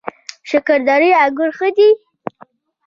شکردرې انګور ښه دي؟